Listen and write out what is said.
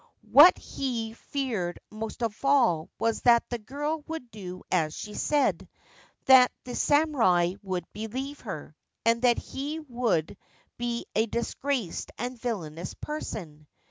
What he feared most of all was that the girl would do as she said, that the samurai would believe her, and that he would be a disgraced and villainous person.